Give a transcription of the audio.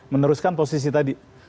meneruskan posisi tadi